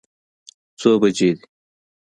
څو بجې دي.